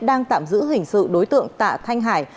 đang tạm giữ hình sự đối tượng tạ thanh hải